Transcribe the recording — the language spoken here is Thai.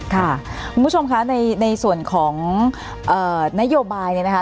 ค่ะคุณผู้ชมคะในส่วนของนโยบายเนี่ยนะคะ